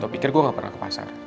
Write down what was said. saya pikir gue gak pernah ke pasar